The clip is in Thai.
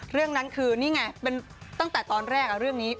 เรื่องนั้นคือนี่ไงเป็นตั้งแต่ตอนแรกเรื่องนี้